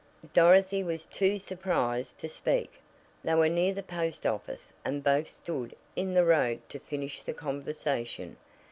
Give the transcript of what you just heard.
Dorothy was too surprised to speak. They were near the post office, and both stood in the road to finish the conversation.